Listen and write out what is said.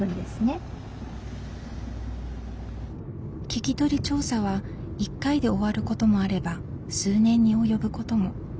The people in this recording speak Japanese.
聞き取り調査は１回で終わることもあれば数年に及ぶことも。